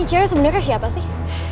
ini cewek sebenernya siapa sih